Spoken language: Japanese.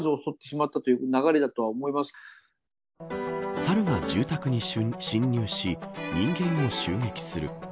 猿が住宅に侵入し人間を襲撃する。